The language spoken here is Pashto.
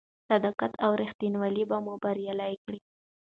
صداقت او رښتینولي به مو بریالي کړي.